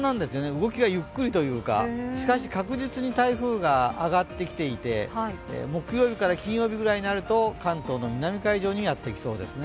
動きがゆっくりというか、しかし確実に台風が上がってきていて木曜日から金曜日ぐらいになると関東の南海上にやってきそうですね。